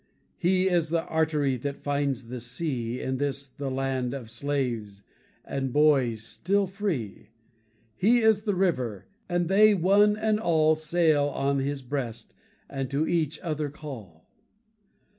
He is the artery that finds the sea In this the land of slaves, and boys still free. He is the river, and they one and all Sail on his breast, and to each other call.